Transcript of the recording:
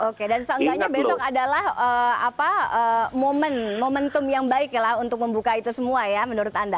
oke dan seenggaknya besok adalah momentum yang baik lah untuk membuka itu semua ya menurut anda